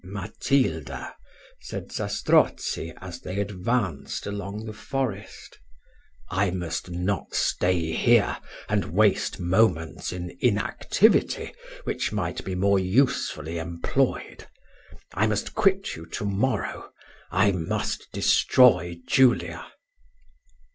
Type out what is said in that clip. "Matilda," said Zastrozzi, as they advanced along the forest, "I must not stay here, and waste moments in inactivity, which might be more usefully employed: I must quit you to morrow I must destroy Julia."